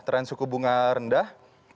trend suku bunga rendah